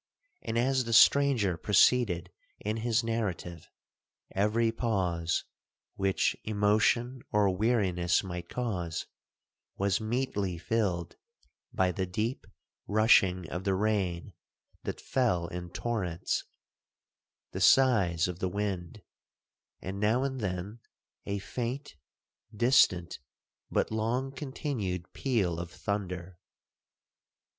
And as the stranger proceeded in his narrative, every pause, which emotion or weariness might cause, was meetly filled by the deep rushing of the rain that fell in torrents,—the sighs of the wind,—and now and then a faint, distant, but long continued peal of thunder.